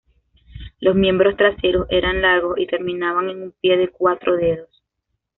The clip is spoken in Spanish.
Los miembros traseros eran largos y terminaban en un pie de cuatro dedos.